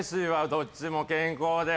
どっちも健康で。